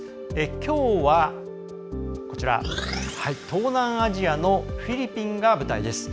きょうは、東南アジアのフィリピンが舞台です。